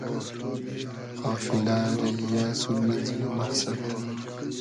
قافیلۂ ریی یۂ سون مئنزېل و مئخسئد